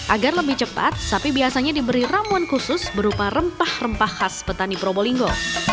agar lebih cepat sapi biasanya diberi ramuan khusus berupa rempah rempah khas petani probolinggo